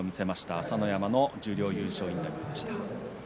朝乃山のインタビューでした。